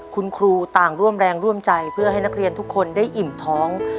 คุณครูต่างร่วมแรงร่วมใจเพื่อให้นักเรียนทุกคนได้อิ่มท้อง